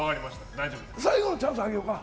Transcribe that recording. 最後のチャンスあげようか。